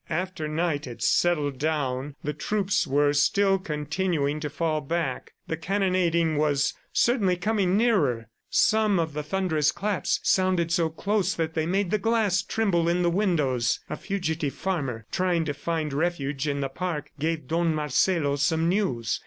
After night had settled down the troops were still continuing to fall back. The cannonading was certainly coming nearer. Some of the thunderous claps sounded so close that they made the glass tremble in the windows. A fugitive farmer, trying to find refuge in the park, gave Don Marcelo some news.